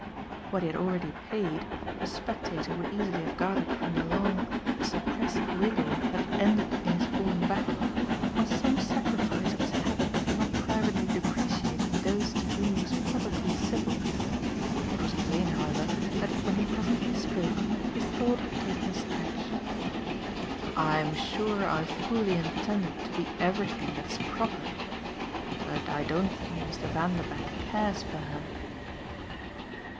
What he had already paid, a spectator would easily have gathered from the long, the suppressed wriggle that had ended in his falling back, was some sacrifice of his habit of not privately depreciating those to whom he was publicly civil. It was plain, however, that when he presently spoke his thought had taken a stretch. "I'm sure I've fully intended to be everything that's proper. But I don't think Mr. Vanderbank cares for her."